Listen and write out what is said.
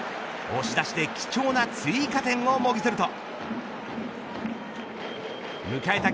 押し出しで貴重な追加点をもぎ取ると迎えた